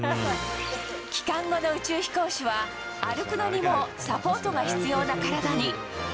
帰還後の宇宙飛行士は、歩くのにもサポートが必要な体に。